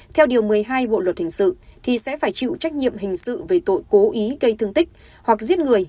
theo điều một mươi hai bộ luật hình sự thì sẽ phải chịu trách nhiệm hình sự về tội cố ý gây thương tích hoặc giết người